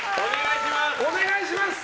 お願いします！